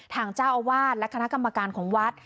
ทางเจ้าอาวาสและคณะกรรมการของวัด